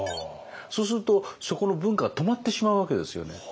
そうするとそこの文化が止まってしまうわけですよね。